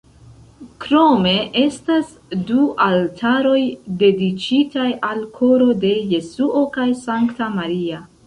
Krome estas du altaroj dediĉitaj al Koro de Jesuo kaj Sankta Maria.